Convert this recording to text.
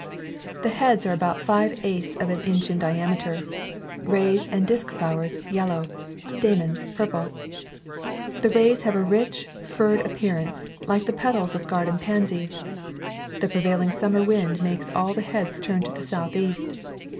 The heads are about five eighths of an inch in diameter; rays and disk flowers, yellow; stamens, purple. The rays have a rich, furred appearance, like the petals of garden pansies. The prevailing summer wind makes all the heads turn to the southeast.